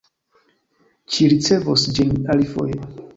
Ci ricevos ĝin alifoje.